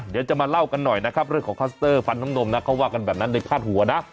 เดี๋ยวจะมาเล่ากันหน่อยนะครับเรื่องของคลัสเตอร์ฟันน้ำนมนะเขาว่ากันแบบนั้นในพาดหัวนะ